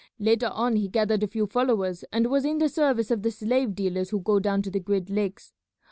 Later on he gathered a few followers and was in the service of the slave dealers who go down to the great lakes.